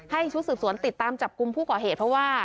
ชุดสืบสวนติดตามจับกลุ่มผู้ก่อเหตุเพราะว่า